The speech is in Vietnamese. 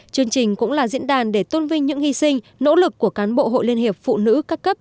chương trình cũng là diễn đàn để tôn vinh những hy sinh nỗ lực của cán bộ hội liên hiệp phụ nữ các cấp